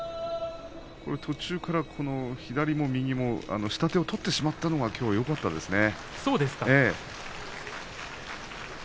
途中から左も右も下手を取ってしまったのはきょうはよかったですね。